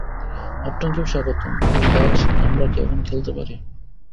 আপনাকেও স্বাগতম, বায আমরা কি এখন খেলতে পারি?